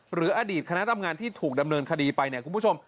หรืออดีตคณะทำงานที่ถูกดำเนินคดีไปเนี่ยคุณผู้ชม